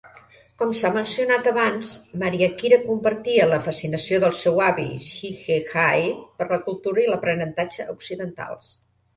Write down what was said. Com s'ha mencionat abans, Mariakira compartia la fascinació del seu avi Shigehide per la cultura i l'aprenentatge occidentals.